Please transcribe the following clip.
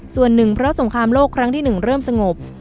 ส่วนหนึ่งเพราะสงครามโลกครั้งที่๑เริ่มสงบ